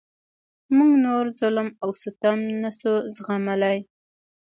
موږ نور ظلم او ستم نشو زغملای.